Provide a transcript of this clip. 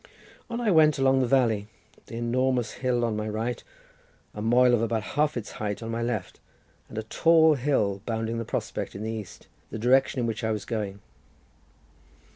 On I went along the valley, the enormous hill on my right, a moel of about half its height on my left, and a tall hill bounding the prospect in the east, the direction in which I was going.